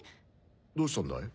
どうしたんだい？